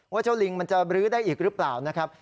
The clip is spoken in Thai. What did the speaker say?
เจ้าลิงมันจะบรื้อได้อีกหรือเปล่านะครับ